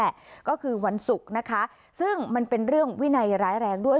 แหละก็คือวันศุกร์นะคะซึ่งมันเป็นเรื่องวินัยร้ายแรงด้วย